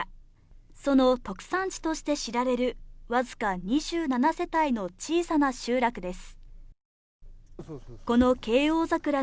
その特産地として知られるわずか２７世帯の小さな集落です